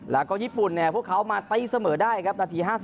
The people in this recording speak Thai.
แล้วก็ญี่ปุ่นพวกเขามาตีเสมอได้ครับนาที๕๐